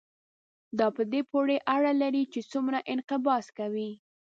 دا په دې پورې اړه لري چې څومره انقباض کوي.